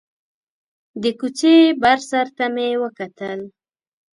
د کوڅې بر سر ته مې وکتل.